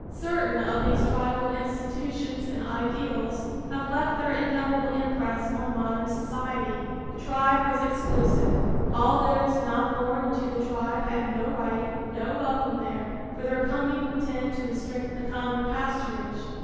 Certain of these tribal institutions and ideals have left their indelible impress on modern society. The tribe was exclusive. All those not born into the tribe had no right, no welcome there, for their coming would tend to restrict the common pasturage.